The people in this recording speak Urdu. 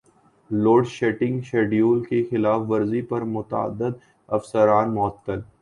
لوڈشیڈنگ شیڈول کی خلاف ورزی پر متعدد افسران معطل